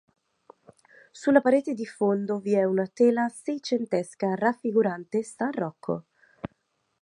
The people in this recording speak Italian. Sulla parete di fondo vi è una tela seicentesca raffigurante "San Rocco".